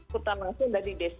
kota masin dari desa